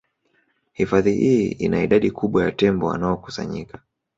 Hifadhi hii ina idadi kubwa ya tembo wanaokusanyika